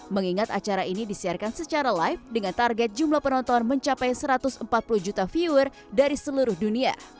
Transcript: mengingat acara ini disiarkan secara live dengan target jumlah penonton mencapai satu ratus empat puluh juta viewer dari seluruh dunia